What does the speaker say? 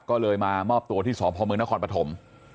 ก็เลยมามอบตัวที่สอบภอมเมืองนครปฐม